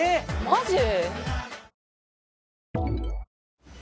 マジ？